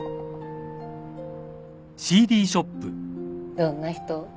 どんな人？